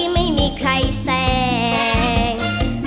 ไม่มีใครแสง